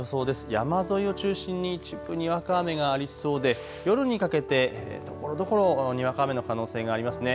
山沿いを中心に一部、にわか雨がありそうで夜にかけてところどころ、にわか雨の可能性がありますね。